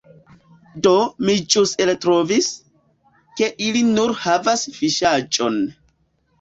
Do, mi ĵus eltrovis, ke ili nur havas fiŝaĵon